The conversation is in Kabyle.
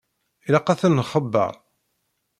Ilaq ad ten-nxebbeṛ.